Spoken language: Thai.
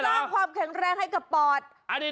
สร้างความแข็งแรงให้กับปอด